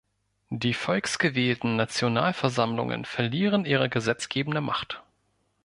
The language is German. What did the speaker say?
Die volksgewählten Nationalversammlungen verlieren ihre gesetzgebende Macht.